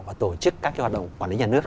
và tổ chức các hoạt động quản lý nhà nước